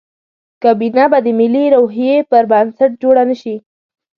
کابینه به د ملي روحیې پر بنسټ جوړه نه شي.